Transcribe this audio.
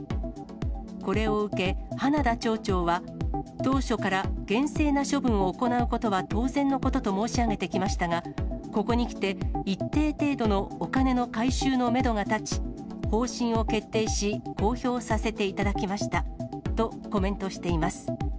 これを受け、花田町長は、当初から厳正な処分を行うことは当然のことと申し上げてきましたが、ここにきて一定程度のお金の回収のメドが立ち、方針を決定し、公表させていただきましたとコメントしています。